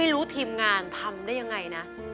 รู้ทีมงานทำได้ยังไงนะ